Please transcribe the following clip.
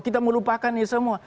kita melupakan ini semua